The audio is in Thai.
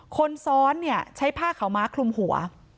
คนซ้อนเนี่ยใช้ผ้าขาวม้าคลุมหัว